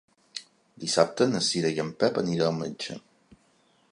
Dissabte na Cira i en Pep aniré al metge.